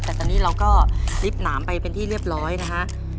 แต่ตอนนี้เราก็ลิฟต์หนามไปเป็นที่เรียบร้อยนะฮะ